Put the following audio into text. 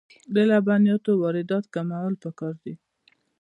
د لبنیاتو واردات کمول پکار دي